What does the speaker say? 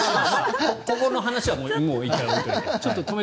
ここの話は１回置いておいて。